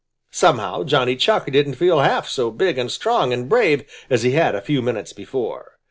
Somehow, Johnny Chuck didn't feel half so big and strong and brave as he had a few minutes before.